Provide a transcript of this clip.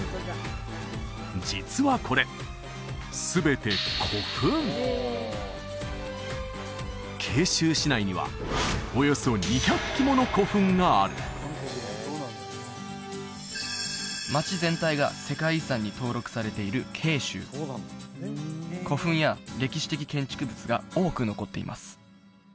実はこれ全て慶州市内にはおよそ２００基もの古墳がある街全体が世界遺産に登録されている慶州古墳や歴史的建築物が多く残っています